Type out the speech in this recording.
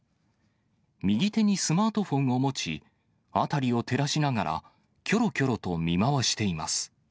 右手にスマートフォンを持ち、辺りを照らしながら、きょろきょろと見回しています。